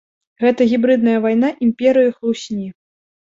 Гэта гібрыдная вайна імперыі хлусні.